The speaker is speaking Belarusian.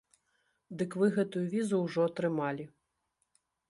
Дык вы гэтую візу ўжо атрымалі.